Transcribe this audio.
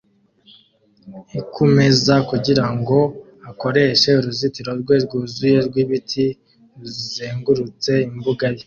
i kumeza kugirango akoreshe uruzitiro rwe rwuzuye rwibiti ruzengurutse imbuga ye